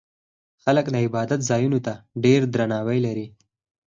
خلک د عبادت ځایونو ته ډېر درناوی لري.